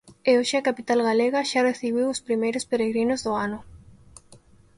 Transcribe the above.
E hoxe a capital galega xa recibiu os primeiros peregrinos do ano.